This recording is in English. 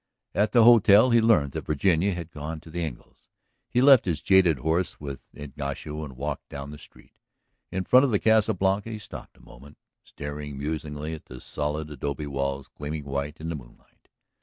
At the hotel he learned that Virginia had gone to the Engles. He left his jaded horse with Ignacio and walked down the street. In front of the Casa Blanca he stopped a moment, staring musingly at the solid adobe walls gleaming white in the moonlight.